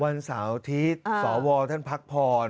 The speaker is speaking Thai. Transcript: วันสาวทิตย์สวท่านพรักพร